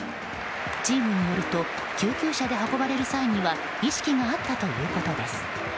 チームによると救急車で運ばれる際には意識があったということです。